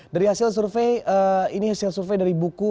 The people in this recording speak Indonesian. dari hasil survei ini hasil survei dari buku